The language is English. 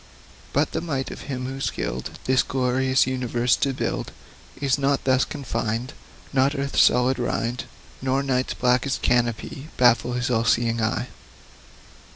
But the might of Him, who skilled This great universe to build, Is not thus confined; Not earth's solid rind, Nor night's blackest canopy, Baffle His all seeing eye.